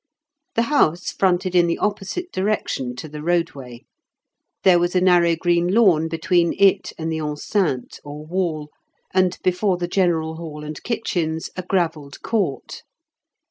The house fronted in the opposite direction to the roadway; there was a narrow green lawn between it and the enceinte, or wall, and before the general hall and kitchens a gravelled court.